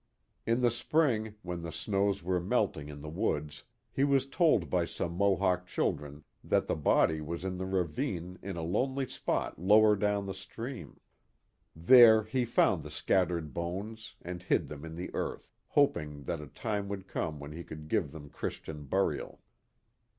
In the spring, when the snows were melting in the woods, he was told by some Mohawk children that the body was in the ravine in a lonely spot lower down the stream. There he found the scattered bones and hid them in the earth, hoping that a time would come when he could give them Christian burial.